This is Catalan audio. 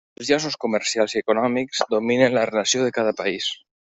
Els llaços comercials i econòmics dominen la relació de cada país.